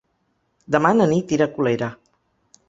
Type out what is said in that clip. Demà na Nit irà a Colera.